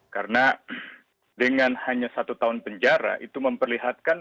karena dengan hanya satu tahun penjara itu memperlihatkan